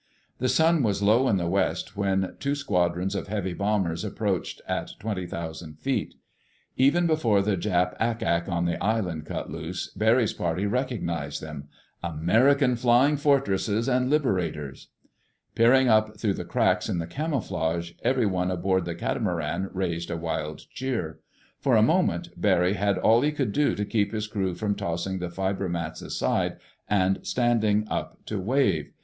The sun was low in the west when two squadrons of heavy bombers approached at 20,000 feet. Even before the Jap ack ack on the island cut loose, Barry's party recognized them—American Flying Fortresses and Liberators! Peering up through the cracks in the camouflage, everyone aboard the catamaran raised a wild cheer. For a moment, Barry had all he could do to keep his crew from tossing the fiber mats aside and standing up to wave.